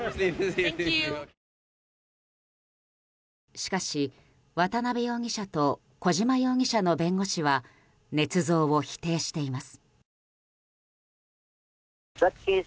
しかし、渡邉容疑者と小島容疑者の弁護士はねつ造を否定しています。